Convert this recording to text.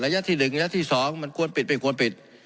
ระยะที่หนึ่งระยะที่สองควรปิดเป็นกว่าปิด